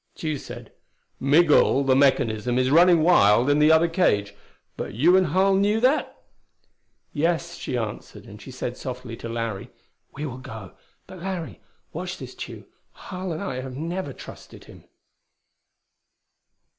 Tugh said, "Migul, the mechanism, is running wild in the other cage. But you and Harl knew that?" "Yes," she answered, and said softly to Larry, "We will go. But, Larry, watch this Tugh! Harl and I never trusted him."